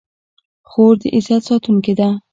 خور د عزت ساتونکې ده.